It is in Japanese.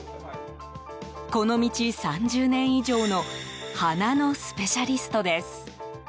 この道３０年以上の鼻のスペシャリストです。